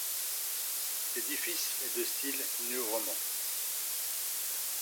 L'édifice est de style néo-roman.